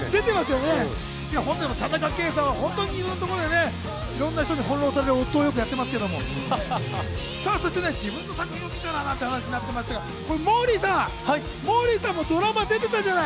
田中圭さんはいろんなところでいろんな人に翻弄される夫役をよくやってますけど、自分の作品を見たらなんて話になってましたがモーリーさん、モーリーさんもドラマに出てたじゃない？